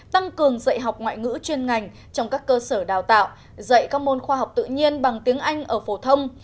tăng cường dạy học ngoại ngữ chuyên ngành trong các cơ sở đào tạo dạy các môn khoa học tự nhiên bằng tiếng anh ở phổ thông